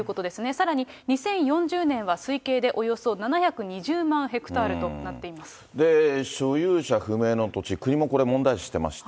さらに２０４０年は、推計でおよそ７２０万ヘクタールとなっていで、所有者不明の土地、国もこれ、問題視してまして。